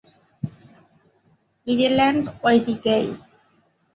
Ireland ঐ দিকেই!